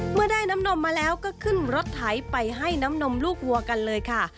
เมื่อได้น้ำนมมาแล้วก็ขึ้นรถไถไปให้น้ำนมลูกวัวกันเลยค่ะ